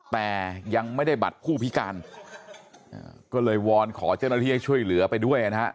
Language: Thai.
แต่ยังไม่ได้บัตรผู้พิการก็เลยวอนขอเจ้าหน้าที่ให้ช่วยเหลือไปด้วยนะฮะ